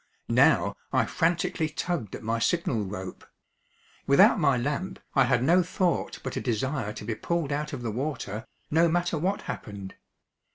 Now I frantically tugged at my signal rope. Without my lamp I had no thought but a desire to be pulled out of the water, no matter what happened.